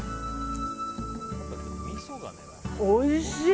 おいしい！